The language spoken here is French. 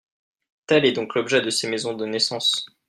Tel est donc l’objet de ces maisons de naissance.